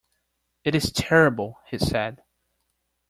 "It is terrible," he said.